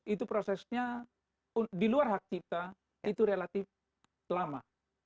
itu prosesnya di luar hak cipta itu relatif lama